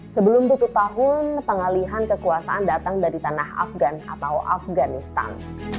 sebelum tutup tahun pengalihan kekuasaan datang dari tanah afgan atau afganistan